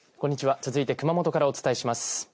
続いて熊本からお伝えします。